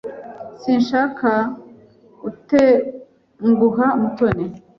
Sinshaka gutenguha Mutoni.